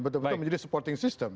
betul betul menjadi supporting system